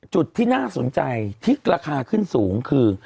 จุดที่น่าสนใจที่ราคาขึ้นสูงคือ